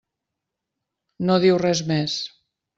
No diu res més.